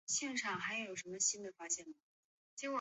它是白色或紫色的三斜晶体。